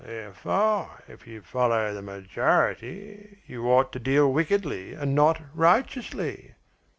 "Therefore, if you follow the majority, you ought to deal wickedly and not righteously?"